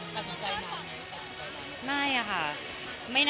ประสงค์ใจน้ำไหม